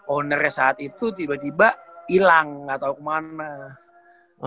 ownernya saat itu tiba tiba ilang gak tau kemana